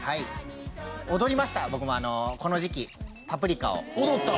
踊りました僕もこの時期『パプリカ』を。踊った？